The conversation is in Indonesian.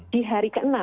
di hari ke enam